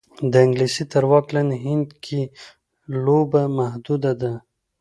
د انګلیس تر واک لاندې هند کې لوبه محدوده ده.